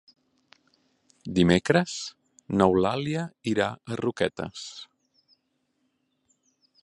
Dimecres n'Eulàlia irà a Roquetes.